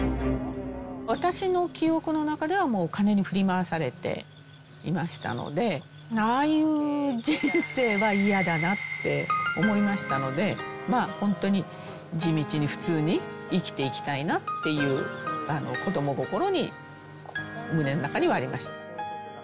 私の記憶の中では、もうお金に振り回されていましたので、ああいう人生は嫌だなって思いましたので、本当に地道に普通に生きていきたいなっていう、子ども心に胸の中にはありました。